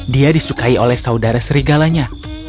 dia disukai oleh saudara serigalanya